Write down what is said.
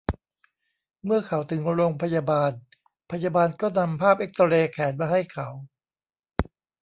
เมื่อเขาถึงโรงพยาบาล พยาบาลก็นำภาพเอ็กซเรย์แขนมาให้เขา